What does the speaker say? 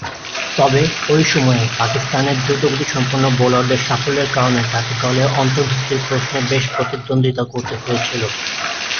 তবে, ঐ সময়ে পাকিস্তানের দ্রুতগতিসম্পন্ন বোলারদের সাফল্যের কারণে তাকে দলে অন্তর্ভুক্তির প্রশ্নে বেশ প্রতিদ্বন্দ্বিতা করতে হয়েছিল।